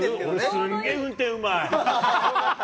すげー運転うまい。